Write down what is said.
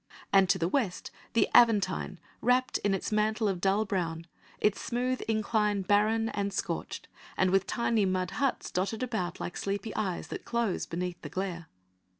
And to the west the Aventine wrapped in its mantle of dull brown, its smooth incline barren and scorched, and with tiny mud huts dotted about like sleepy eyes that close beneath the glare.